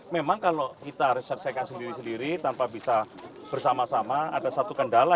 memang kalau kita harus selesaikan sendiri sendiri tanpa bisa bersama sama ada satu kendala